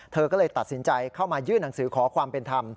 เธอก็เลยตัดสินใจเข้ามายื่นหนังสือขอความเป็นธรรม